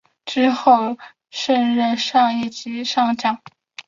之后升任一级上将。